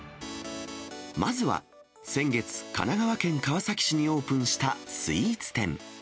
まずは、先月、神奈川県川崎市にオープンしたスイーツ店。